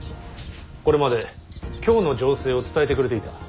これまで京の情勢を伝えてくれていた。